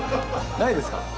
ないですか？